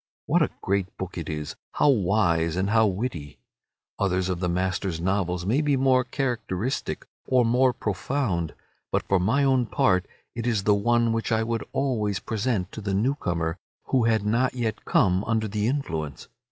What a great book it is, how wise and how witty! Others of the master's novels may be more characteristic or more profound, but for my own part it is the one which I would always present to the new comer who had not yet come under the influence.